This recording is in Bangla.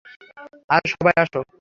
আরে সবাই আসো।